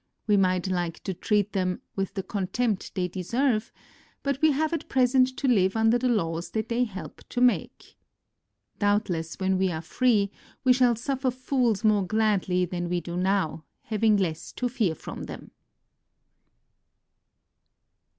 We might like to treat them "with the contempt they deserve," but we have at present to live under the laws that they help to make. Doubtless, when we are free, we shall suffer fools more gladly than we do now, having less to fear from them.